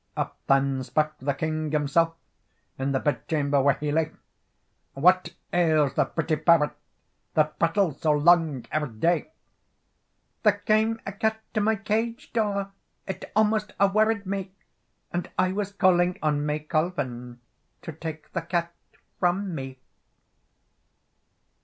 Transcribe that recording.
Up then spake the king himself, In the bed chamber where he lay: "What ails the pretty parrot, That prattles so long or day?" "There came a cat to my cage door, It almost a worried me, And I was calling on May Colven To take the cat from me."